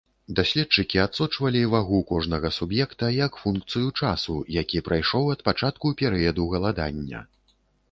Даследчыкі адсочвалі вагу кожнага суб'екта як функцыю часу, які прайшоў ад пачатку перыяду галадання.